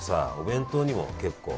弁当にも結構。